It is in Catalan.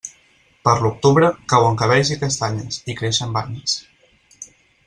Per l'octubre, cauen cabells i castanyes, i creixen banyes.